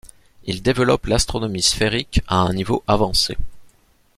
Il développe l'astronomie sphérique à un niveau avancé.